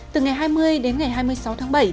từ ngày hai mươi đến ngày hai mươi sáu tháng bảy